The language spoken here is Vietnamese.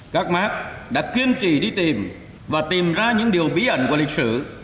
các mark đã kiên trì đi tìm và tìm ra những điều bí ẩn của lịch sử